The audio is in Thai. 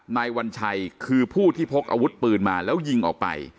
นายวัญชัยคือผู้ที่พกอาวุธปืนมาแล้วยิงออกไป